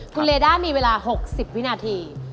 คุณเลด้ามีเวลา๖๐วินาที